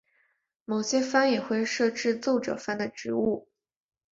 某些藩也会设置奏者番的职务。